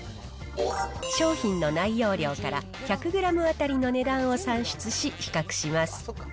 商品の内容量から１００グラム当たりの値段を算出し、比較します。